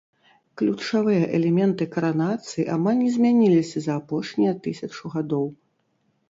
Ключавыя элементы каранацыі амаль не змяніліся за апошнія тысячу гадоў.